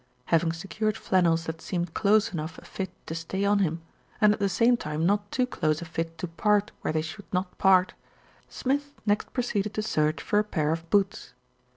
Having secured flannels that seemed close enough a fit to stay on him, and at the same time not too close a fit to part where they should not part, Smith next pro ceeded to search for a pair of boots.